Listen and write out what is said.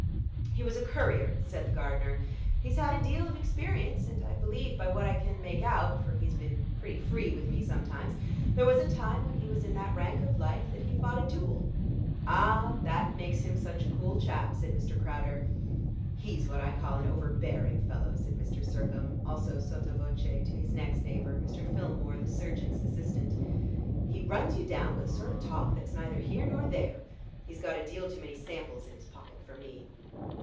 "He was a courier," said the gardener. "He's had a deal of experience. And I believe, by what I can make out for he's been pretty free with me sometimes there was a time when he was in that rank of life that he fought a duel." "Ah! that makes him such a cool chap," said Mr. Crowder. "He's what I call an overbearing fellow," said Mr. Sircome, also sotto voce, to his next neighbor, Mr. Filmore, the surgeon's assistant. "He runs you down with a sort of talk that's neither here nor there. He's got a deal too many samples in his pocket for me."